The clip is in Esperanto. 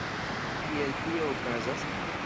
Kiel tio okazas?